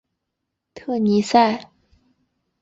特尼塞。